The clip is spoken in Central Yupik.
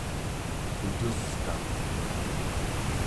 putuskaq